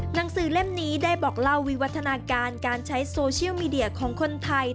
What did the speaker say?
หนังสือเล่มนี้ได้บอกเล่าวิวัฒนาการการใช้โซเชียลมีเดียของคนไทย